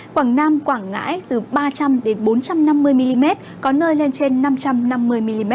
quảng nam quảng ngãi từ ba trăm linh bốn trăm năm mươi mm có nơi lên trên năm trăm năm mươi mm